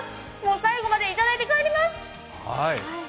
最後までいただいて帰ります。